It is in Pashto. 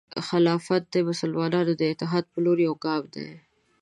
خلافت د مسلمانانو د اتحاد په لور یو ستر ګام دی.